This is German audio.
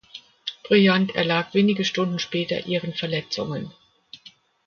Bryant erlag wenige Stunden später ihren Verletzungen.